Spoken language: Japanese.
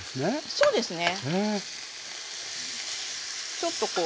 そうですね。